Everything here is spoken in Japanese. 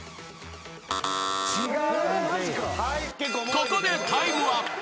［ここでタイムアップ］